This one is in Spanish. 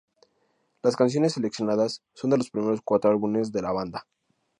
Las canciones seleccionadas son de los primeros cuatro álbumes de la banda.